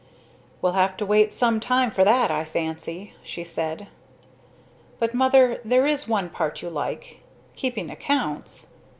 "We'll have to wait some time for that I fancy," she said. "But, Mother, there is one part you like keeping accounts!